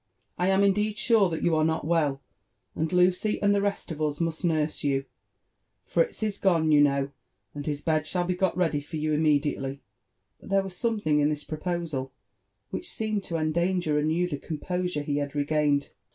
I am indeed sure that you are not well, and Lucy and the rest of us must nurse you. Frits is goiio« yea know, and his bed shall be got ready for you immediately." But there was something in this proposal which seemed to endangar anew the composure he had regained.